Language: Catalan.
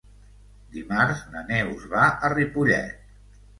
Dimarts na Neus va a Ripollet.